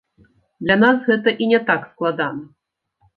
Для нас гэта і не так складана.